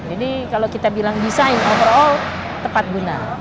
jadi kalau kita bilang desain overall tepat guna